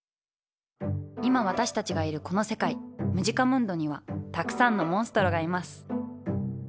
今私たちがいるこの世界ムジカムンドにはたくさんのモンストロがいます。